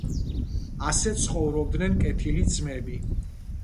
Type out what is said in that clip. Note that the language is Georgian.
ასე ცხოვრობდნენ კეთილი ძმები.